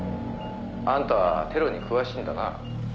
あんたはテロに詳しいんだな」